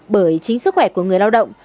bởi chính sức khỏe của người lao động